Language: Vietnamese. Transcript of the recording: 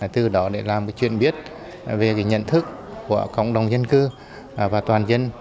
từ đó để làm chuyện biết về nhận thức của cộng đồng dân cư và toàn dân